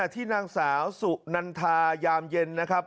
ที่นางสาวสุนันทายามเย็นนะครับ